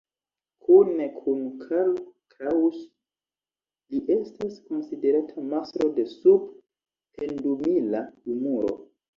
Kune kun Karl Kraus, li estas konsiderata mastro de "sub-pendumila humuro".